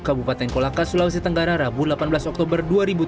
kabupaten kolaka sulawesi tenggara rabu delapan belas oktober dua ribu tujuh belas